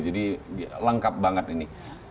jadi lengkap banget ini